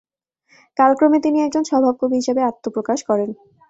কালক্রমে তিনি একজন স্বভাব কবি হিসেবে আত্মপ্রকাশ করেন।